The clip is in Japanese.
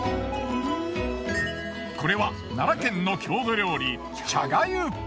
これは奈良県の郷土料理茶がゆ。